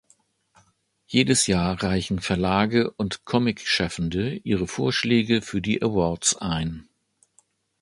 Jedes Jahr reichen Verlage und Comic-Schaffende ihre Vorschläge für die Awards ein.